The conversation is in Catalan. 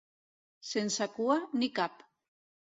Sense cua ni cap.